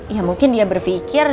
ya mungkin dia berfikir